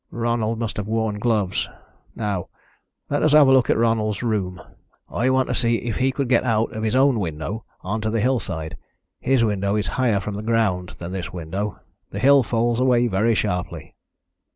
Ronald must have worn gloves. Now, let us have a look at Ronald's room. I want to see if he could get out of his own window on to the hillside. His window is higher from the ground than this window. The hill falls away very sharply."